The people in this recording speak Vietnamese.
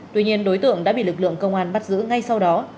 tuy nhiên đối tượng đã bị lực lượng công an bắt giữ ngay sau đó